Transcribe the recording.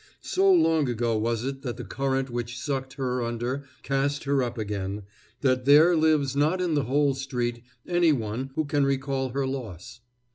So long ago was it that the current which sucked her under cast her up again, that there lives not in the whole street any one who can recall her loss.